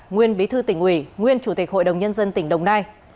nguyên bí thư tỉnh ủy nguyên chủ tịch hội đồng nhân dân tỉnh đồng nai